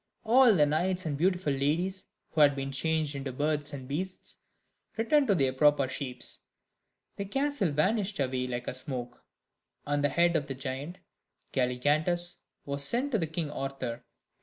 All the knights and beautiful ladies, who had been changed into birds and beasts, returned to their proper shapes. The castle vanished away like smoke, and the head of the giant Galligantus was sent to King Arthur.